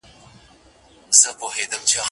نوي یې راوړي تر اټکه پیغامونه دي